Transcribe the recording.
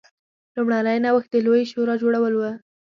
لومړنی نوښت د لویې شورا جوړول و